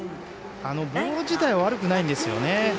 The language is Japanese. ボール自体は悪くないんですよね。